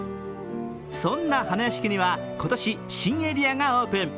そんな花やしきには今年、新エリアがオープン。